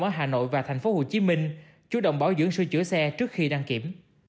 ở hà nội và thành phố hồ chí minh chú động bảo dưỡng sự chữa xe trước khi đăng kiểm